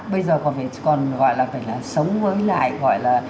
bây giờ còn phải sống với lại